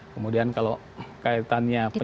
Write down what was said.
kemudian kalau kaitannya penyakit